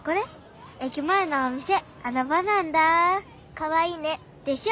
かわいいね。でしょ？